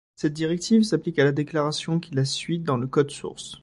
Cette directive s'applique à la déclaration qui la suit dans le code source.